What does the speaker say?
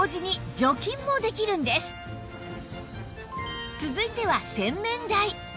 しかも続いては洗面台